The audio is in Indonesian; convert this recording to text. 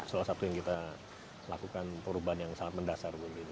salah satu yang kita lakukan perubahan yang sangat mendasar